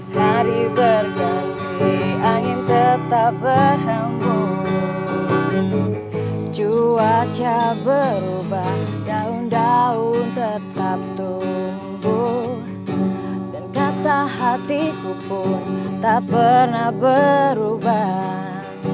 dan kata hatiku pun tak pernah berubah